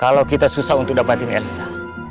kalau kita susah untuk dapetin elsa